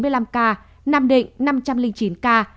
nam định năm trăm linh chín ca